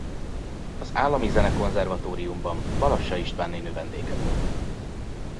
Az Állami Zenekonzervatóriumban Balassa Istvánné növendéke volt.